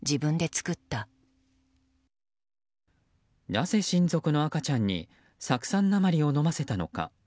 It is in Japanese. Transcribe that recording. なぜ、親族の赤ちゃんに酢酸鉛を飲ませたのか。